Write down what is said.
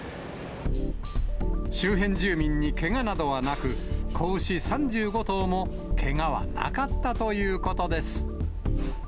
周辺住民にけがなどはなく、子牛３５頭もけがはなかったということです。